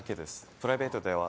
プライベートでは。